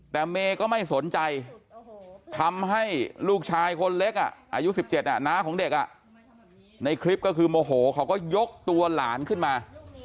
แต่เมย์ก็ไม่สนใจทำให้ลูกชายคนเล็กอายุ๑๗น้าของเด็กในคลิปก็คือโมโหเขาก็ยกตัวหลานขึ้นมา